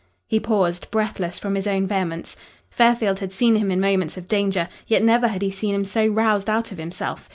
He paused, breathless from his own vehemence. Fairfield had seen him in moments of danger, yet never had he seen him so roused out of himself.